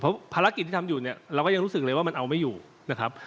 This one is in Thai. เพราะภารกิจที่ทำอยู่เนี่ยเราก็ยังรู้สึกเลยว่ามันเอาไม่อยู่นะครับ